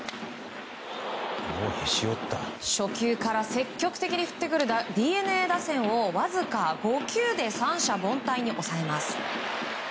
初球から積極的に振ってくるＤｅＮＡ打線をわずか５球で三者凡退に抑えます。